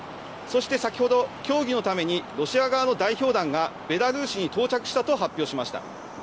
そして先ほど、協議のためにロシア側の代表団がベラルーシに到着したと発表しました。